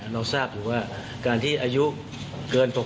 เราสร้างอยู่ว่าการที่อายุเกินปกติ